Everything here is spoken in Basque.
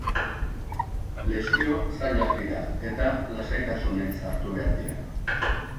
Lesio zailak dira eta lasaitasunez hartu behar dira.